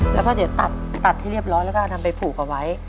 แล้วก็เดี๋ยวตัดให้เรียบร้อยแล้วก็นำไปผูกเอาไว้